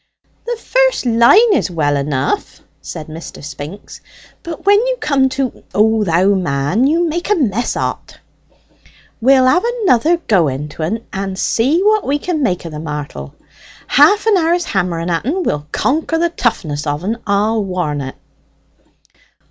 "The first line is well enough," said Mr. Spinks; "but when you come to 'O, thou man,' you make a mess o't." "We'll have another go into en, and see what we can make of the martel. Half an hour's hammering at en will conquer the toughness of en; I'll warn it."